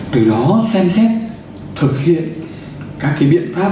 từ đó xem xét thực hiện các biện pháp